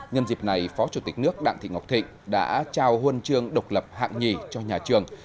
nhân dịp này phó chủ tịch nước đặng thị ngọc thịnh đã trao huân chương độc lập hạng nhì cho nhà trường